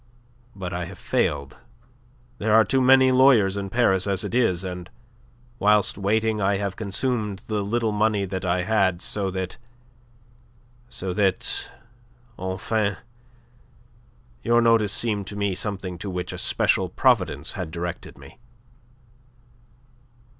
But I have failed. There are too many lawyers in Paris as it is, and whilst waiting I have consumed the little money that I had, so that... so that, enfin, your notice seemed to me something to which a special providence had directed me."